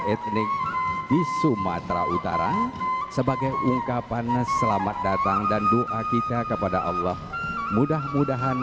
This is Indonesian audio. etnik di sumatera utara sebagai ungkapannya selamat datang dan doa kita kepada allah mudah mudahan